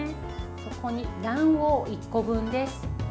ここに卵黄１個分です。